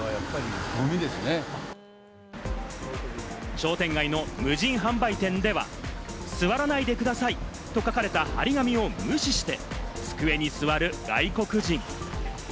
商店街の無人販売店では、「座らないでください」と書かれた張り紙を無視して机に座る外国人。